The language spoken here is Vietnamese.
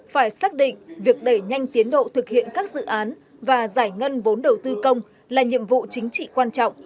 phải xác định việc đẩy nhanh tiến độ thực hiện các dự án và giải ngân vốn đầu tư công là nhiệm vụ chính trị quan trọng